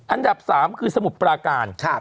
อันดับ๓คือสมุทรปราการ